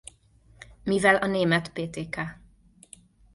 Mivel a német ptk.